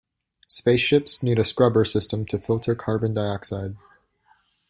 Space ships need a scrubber system to filter carbon dioxide.